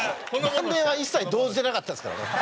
晩年は一切動じてなかったですからね。